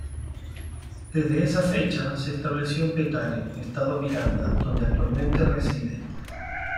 Desde esa fecha se estableció en Petare, estado Miranda, donde actualmente reside.